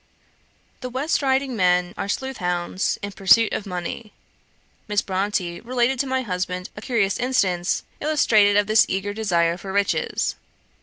The West Riding men are sleuth hounds in pursuit of money. Miss Bronte related to my husband a curious instance illustrative of this eager desire for riches.